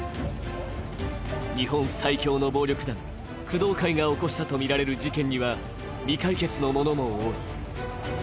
日本最凶の暴力団、工藤会が起こしたとみられる事件には未解決のものも多い。